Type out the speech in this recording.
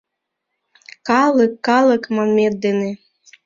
Калык, калык манмет дене